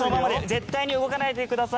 絶対に動かないでくださいね。